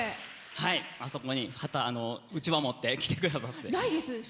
あそこに、うちわ持って来てくださって。